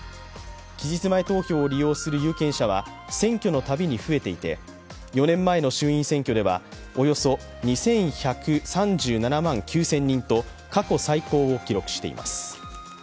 期日前投票を利用する有権者は選挙のたびに増えていて、４年前の衆院選挙ではおよそ２１３７万９０００人と過去最高を記録しています。